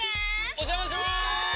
お邪魔しまーす！